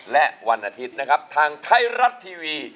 และวันอาทิตย์นะครับทางไทยรัฐทีวี